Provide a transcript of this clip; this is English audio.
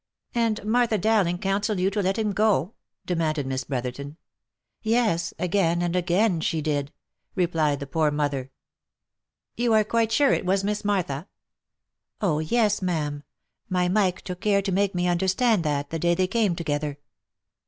"And Martha Dowling counselled you to let him go?" demanded Miss Brotherton. " Yes, again and again, she did," replied the poor mother. " You are quite sure it was Miss Martha?" " Oh, yes ! ma'am ; my Mike took care to make me understand that, the day they came together."